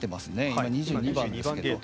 今、２２番ですけど。